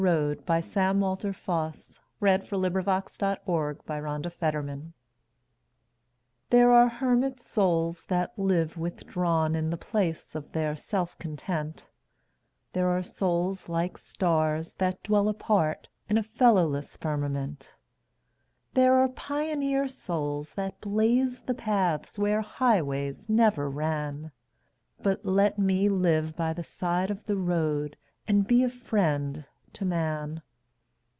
M N . O P . Q R . S T . U V . W X . Y Z The House by the Side of the Road THERE are hermit souls that live withdrawn In the place of their self content; There are souls like stars, that dwell apart, In a fellowless firmament; There are pioneer souls that blaze the paths Where highways never ran But let me live by the side of the road And be a friend to man.